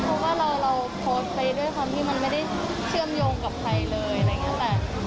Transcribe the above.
เพราะว่าเราโพสต์ไปด้วยความที่มันไม่ได้เชื่อมโยงกับใครเลยอะไรอย่างนี้แหละ